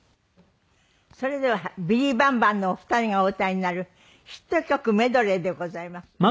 それではビリー・バンバンのお二人がお歌いになるヒット曲メドレーでございます。